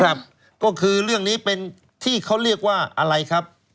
ครับก็คือเรื่องนี้เป็นที่เขาเรียกว่าอะไรครับ